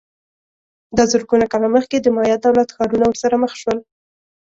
دا زرګونه کاله مخکې د مایا دولت ښارونه ورسره مخ شول